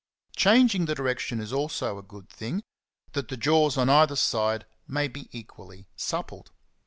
Changing the direction is also a good thing, that the jaws on either side may be equally suppled.